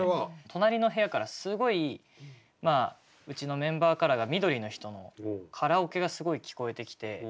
隣の部屋からすごいうちのメンバーカラーが緑の人のカラオケがすごい聞こえてきて。